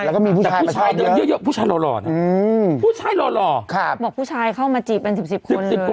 แล้วก็มีผู้ชายเดินเยอะผู้ชายหล่อนะผู้ชายหล่อบอกผู้ชายเข้ามาจีบเป็น๑๐คน